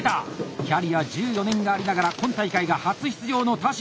キャリア１４年がありながら今大会が初出場の田代！